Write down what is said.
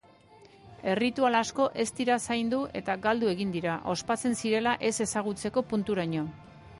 Erritual asko ez dira zaindu eta galdu egin dira, ospatzen zirela ez ezagutzeko punturaino.